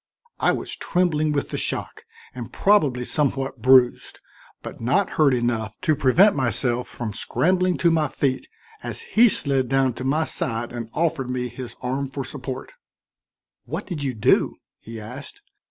I was trembling with the shock and probably somewhat bruised, but not hurt enough to prevent myself from scrambling to my feet, as he slid down to my side and offered me his arm for support. "What did you do?" he asked.